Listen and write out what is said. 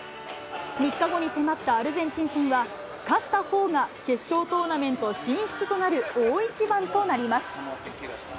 ３日後に迫ったアルゼンチン戦は、勝ったほうが決勝トーナメント進出となる大一番となります。